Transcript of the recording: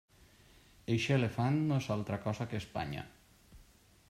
Eixe elefant no és altra cosa que Espanya.